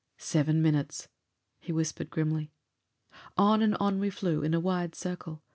"Seven minutes!" he whispered grimly. On and on we flew, in a wide circle.